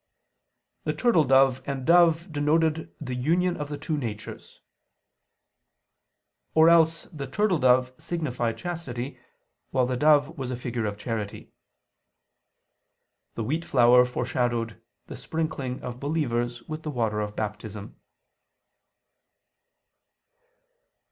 The turtledove and dove denoted the union of the two natures"; or else the turtledove signified chastity; while the dove was a figure of charity. "The wheat flour foreshadowed the sprinkling of believers with the water of Baptism."